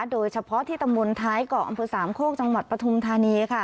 โดยเฉพาะที่ตำบลท้ายเกาะอำเภอสามโคกจังหวัดปฐุมธานี